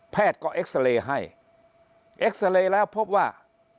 ก็เอ็กซาเรย์ให้เอ็กซาเรย์แล้วพบว่า